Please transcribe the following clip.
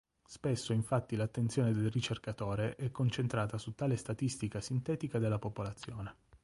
Spesso infatti l'attenzione del ricercatore è concentrata su tale statistica sintetica della popolazione.